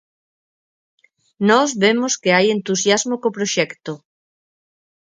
Nós vemos que hai entusiasmo co proxecto.